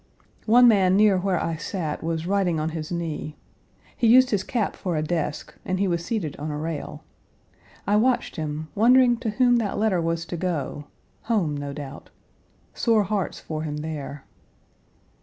One man near where I sat was writing on his knee. He used his cap for a desk and he was seated on a rail. I watched him, wondering to whom that letter was to go home, no doubt. Sore hearts for him there.